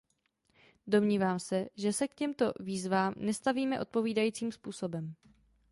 Domnívám se, že se k těmto výzvám nestavíme odpovídajícím způsobem.